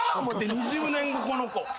思うて２０年後この子。